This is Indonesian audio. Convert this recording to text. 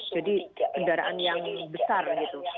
jadi kendaraan yang besar gitu